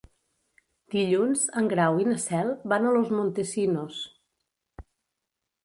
Dilluns en Grau i na Cel van a Los Montesinos.